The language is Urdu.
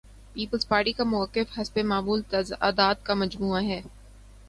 پیپلز پارٹی کا موقف حسب معمول تضادات کا مجموعہ ہے۔